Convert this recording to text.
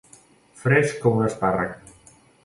Fresc com un espàrrec.